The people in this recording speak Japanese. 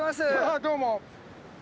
あどうも。